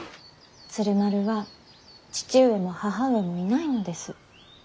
鶴丸は父上も母上もいないのです。